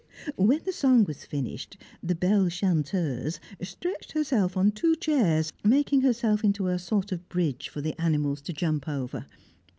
When the song was finished, the Belle Chanteuse stretched herself on two chairs, making herself into a sort of bridge for the animals to jump over.